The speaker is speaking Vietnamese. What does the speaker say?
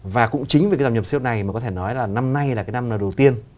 và cũng chính vì cái giảm nhập siêu này mà có thể nói là năm nay là cái năm đầu tiên